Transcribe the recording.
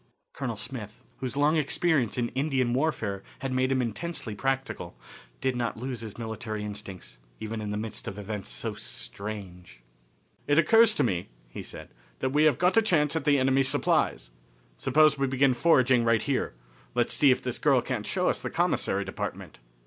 Colonel Smith, whose long experience in Indian warfare had made him intensely practical, did not lose his military instincts, even in the midst of events so strange. "It occurs to me," he said, "that we have got a chance at the enemies' supplies. Suppose we begin foraging right here. Let's see if this girl can't show us the commissary department."